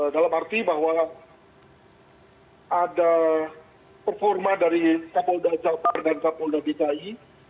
dalam arti bahwa ada performa dari kapolda jabar dan kapolda dki